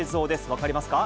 分かりますか？